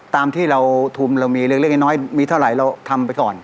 ตามที่เราทุนเรามีเล็กน้อยมีเท่าไหร่เราทำไปก่อน